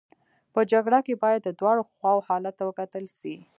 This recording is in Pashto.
په جرګه کي باید د دواړو خواو حالت ته وکتل سي.